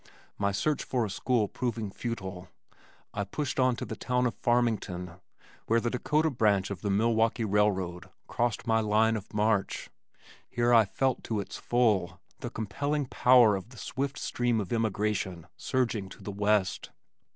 My search for a school proving futile, I pushed on to the town of Farmington, where the Dakota branch of the Milwaukee railroad crossed my line of march. Here I felt to its full the compelling power of the swift stream of immigration surging to the west.